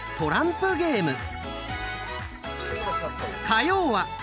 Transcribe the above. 火曜は！